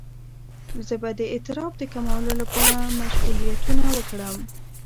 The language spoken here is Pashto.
زه به د اضطراب د کمولو لپاره مشغولیتونه وکړم.